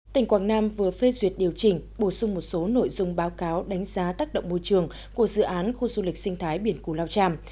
tỉnh quảng nam vừa phê duyệt điều chỉnh bổ sung một số nội dung báo cáo đánh giá tác động môi trường của dự án khu du lịch sinh thái biển cù lao tràm